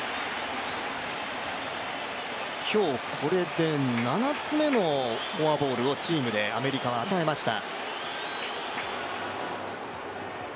今日、これで７つ目のフォアボールをチームでアメリカは与えました。